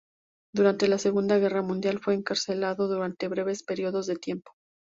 Durante la Segunda Guerra Mundial fue encarcelado durante breves periodos de tiempo.